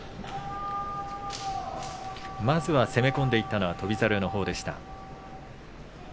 まずは攻め込んでいったのは翔猿のほうでした。